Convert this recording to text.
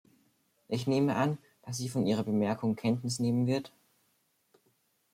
Ich nehme an, dass Sie von Ihrer Bemerkung Kenntnis nehmen wird.